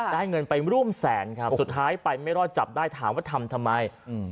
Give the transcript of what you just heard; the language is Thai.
ได้เงินไปร่วมแสนครับสุดท้ายไปไม่รอดจับได้ถามว่าทำทำไมอืม